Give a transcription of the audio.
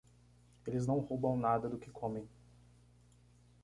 Eles não roubam nada do que comem.